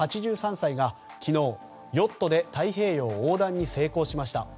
８３歳が昨日、ヨットで太平洋横断に成功しました。